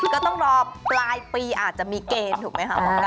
ค่ะก็ต้องรอปลายปีอาจจะมีเกณฑ์ถูกไหมคะ